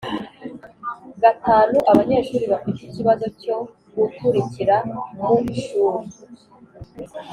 gatanu Abanyeshuri bafite ikibazo cyo gukurikira mu ishuri